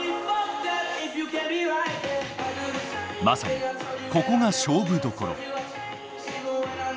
まさにここが勝負どころ。